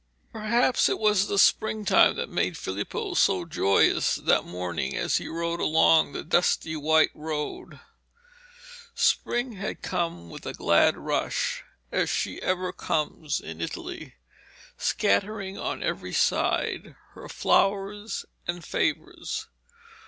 Perhaps it was the springtime that made Filippo so joyous that morning as he rode along the dusty white road. Spring had come with a glad rush, as she ever comes in Italy, scattering on every side her flowers and favours.